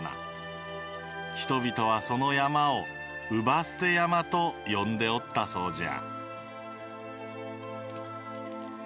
［人々はその山を姥捨山と呼んでおったそうじゃ］